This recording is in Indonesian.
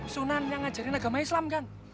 sunan yang ngajarin agama islam kan